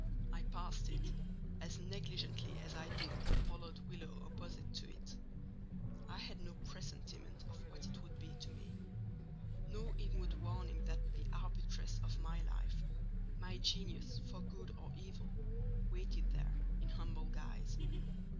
I passed it as negligently as I did the pollard willow opposite to it: I had no presentiment of what it would be to me; no inward warning that the arbitress of my life—my genius for good or evil—waited there in humble guise.